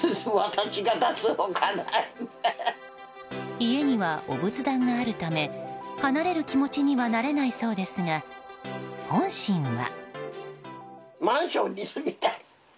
家にはお仏壇があるため離れる気持ちにはなれないそうですが本心は。